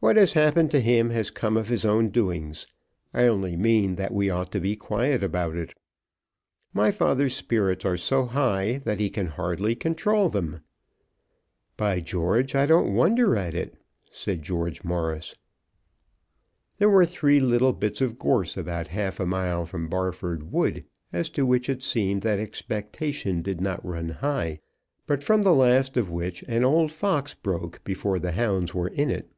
What has happened to him has come of his own doings. I only mean that we ought to be quiet about it. My father's spirits are so high, that he can hardly control them." "By George, I don't wonder at it," said George Morris. There were three little bits of gorse about half a mile from Barford Wood, as to which it seemed that expectation did not run high, but from the last of which an old fox broke before the hounds were in it.